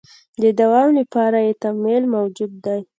د دوام لپاره یې تمایل موجود دی.